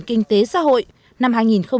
kinh tế xã hội năm hai nghìn hai mươi